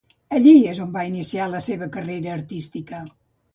Allí és on va iniciar la seva carrera artística.